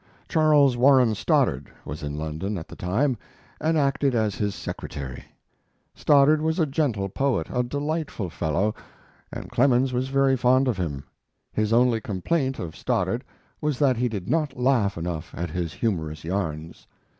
Charles Warren Stoddard was in London at the time, and acted as his secretary. Stoddard was a gentle poet, a delightful fellow, and Clemens was very fond of him. His only complaint of Stoddard was that he did not laugh enough at his humorous yarns.